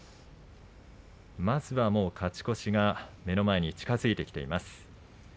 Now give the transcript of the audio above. まずは勝ち越しが目の前に近づいてきています。